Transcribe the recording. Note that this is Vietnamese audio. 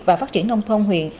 và phát triển nông thôn huyện